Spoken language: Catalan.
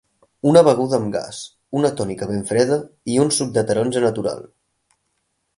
Una beguda amb gas, una tònica ben freda i un suc de taronja natural.